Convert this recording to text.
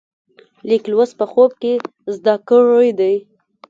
لیک لوست په خوب کې زده کړی دی.